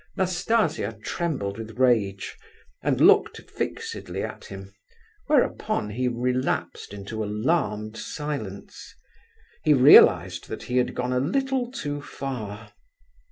Nastasia trembled with rage, and looked fixedly at him, whereupon he relapsed into alarmed silence. He realized that he had gone a little too far.